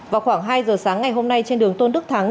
vào khoảng hai giờ sáng ngày hôm nay trên đường tôn đức thắng